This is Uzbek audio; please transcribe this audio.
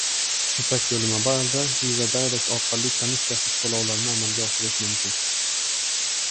Ipak Yo’li Mobile'da Visa Direct orqali komissiyasiz to‘lovlarni amalga oshirish mumkin